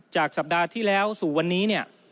จากสัปดาห์ที่แล้วสู่วันนี้